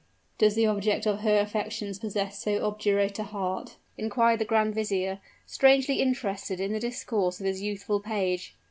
'" "Does the object of her affections possess so obdurate a heart?" inquired the grand vizier, strangely interested in the discourse of his youthful page.